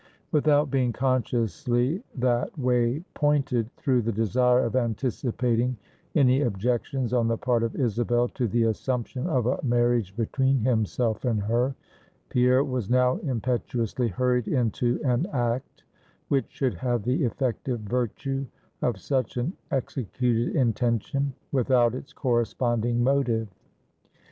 Without being consciously that way pointed, through the desire of anticipating any objections on the part of Isabel to the assumption of a marriage between himself and her; Pierre was now impetuously hurried into an act, which should have the effective virtue of such an executed intention, without its corresponding motive.